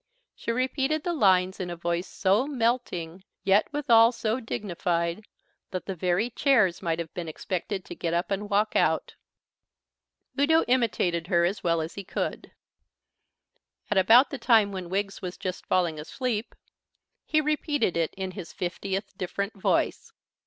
She repeated the lines in a voice so melting, yet withal so dignified, that the very chairs might have been expected to get up and walk out. Udo imitated her as well as he could. At about the time when Wiggs was just falling asleep, he repeated it in his fiftieth different voice.